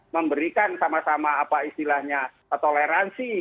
memberikan sama sama apa istilahnya toleransi